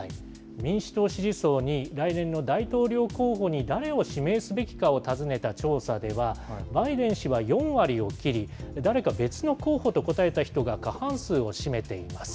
民主党支持層に、来年の大統領候補に、誰を指名すべきかを尋ねた調査では、バイデン氏は４割を切り、誰か別の候補と答えた人が過半数を占めています。